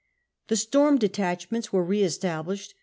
The storm detachments were re estab lished.